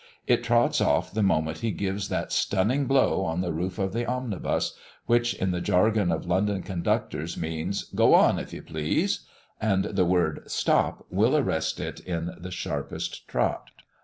It trots off the moment he gives that stunning blow on the roof of the omnibus, which, in the jargon of London conductors, means: "Go on if you please;" and the word "stop" will arrest it in the sharpest trot.